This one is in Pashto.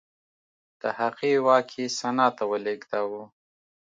د هغې واک یې سنا ته ولېږداوه